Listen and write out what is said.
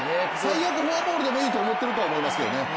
最悪フォアボールでもいいと思っていると思いますけどね。